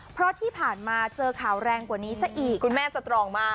เพราะที่ผ่านมาเจอข่าวแรงกว่านี้ซะอีกคุณแม่สตรองมาก